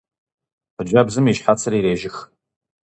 Хъыджэбзым и щхьэцыр ирежьых.